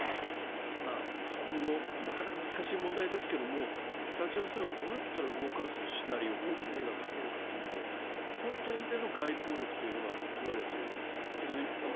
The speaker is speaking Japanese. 今後、なかなか難しい問題ですけれども北朝鮮をどうやったら動かすシナリオ、大きな絵を描けるかという本当の意味での外交力というのが問われている。